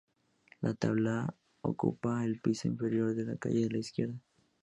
La tabla ocupaba el piso inferior de la calle de la izquierda.